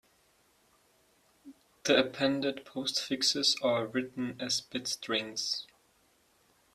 The appended postfixes are written as bit strings.